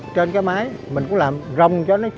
trên cái mái mình cũng làm rong cho nó